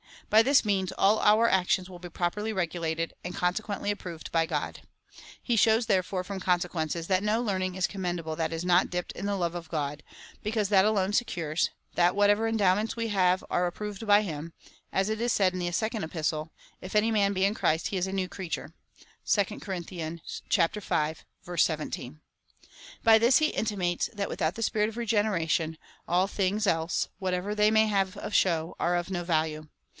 By this means all our actions will be properly regulated, and conse quently approved by God. He shows, therefore, from con sequences, that no learning is commendable that is not dipped in the love of God ; because that alone secures, that whatever endowments we have are approved by him, as it is said in the second Epistle — If any man he in Christ he is a new creature. (2 Cor. v. 1 7.) By this he intimates, that without the Spirit of regeneration, all things else, whatever they may have of show, are of no value.